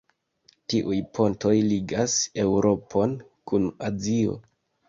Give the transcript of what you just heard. Tiuj pontoj ligas Eŭropon kun Azio.